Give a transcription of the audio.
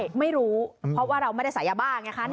ไม่รู้เพราะว่าเราไม่ได้ใส่ยาบ้าไงคะ